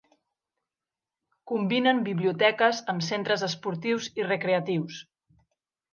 Combinen biblioteques amb centres esportius i recreatius.